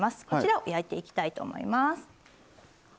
こちらを焼いていきたいと思います。